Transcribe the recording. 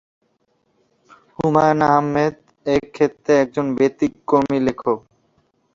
হুমায়ূন আহমেদ এ ক্ষেত্রে একজন ব্যতিক্রমী লেখক।